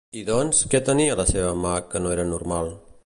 I doncs, què tenia la seva mà que no era normal?